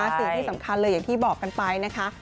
สิ่งที่สำคัญเลยอย่างที่บอกกันไปนะคะ